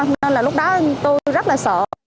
nên là lúc đó tôi rất là sợ